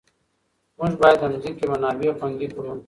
موږ باید د ځمکې منابع خوندي کړو.